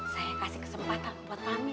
saya kasih kesempatan buat pak amir